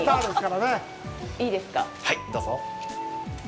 はい、どうぞ。